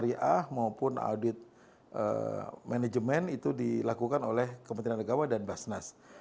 syariah maupun audit manajemen itu dilakukan oleh kementerian agama dan basnas